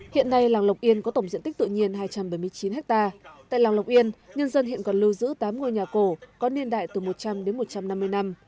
hiện nay làng lộc yên có tổng diện tích tự nhiên hai trăm bảy mươi chín ha tại làng lộc yên nhân dân hiện còn lưu giữ tám ngôi nhà cổ có niên đại từ một trăm linh đến một trăm năm mươi năm